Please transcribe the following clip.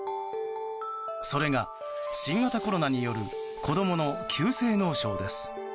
それが新型コロナによる子供の急性脳症です。